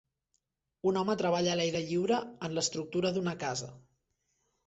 Un home treballa a l'aire lliure en l'estructura d'una casa.